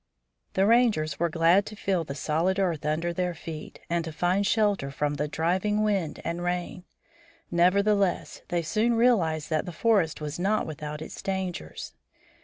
The rangers were glad to feel the solid earth under their feet and to find shelter from the driving wind and rain. Nevertheless, they soon realized that the forest was not without its dangers.